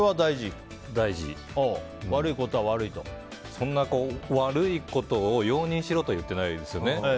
そんな悪いことを容認しろとは言ってないですよね。